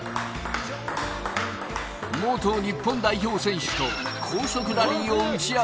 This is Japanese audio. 日本代表選手と高速ラリーを打ち合う